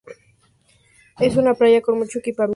Es una playa con mucho equipamiento.